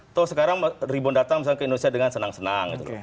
atau sekarang ribuan datang ke indonesia dengan senang senang